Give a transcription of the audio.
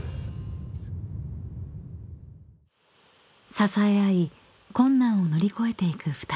［支え合い困難を乗り越えていく２人］